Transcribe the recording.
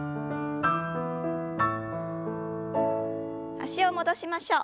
脚を戻しましょう。